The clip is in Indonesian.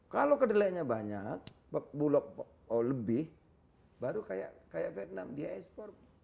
kalau kedelainya banyak bulog lebih baru kayak vietnam dia ekspor